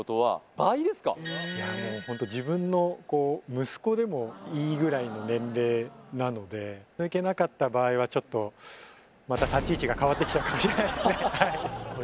もうホント自分の息子でもいいぐらいの年齢なので抜けなかった場合はちょっとまた立ち位置が変わってきちゃうかもしれないですね